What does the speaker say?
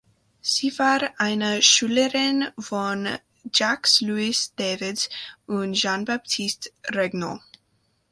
Sie war eine Schülerin von Jacques-Louis David und Jean-Baptiste Regnault.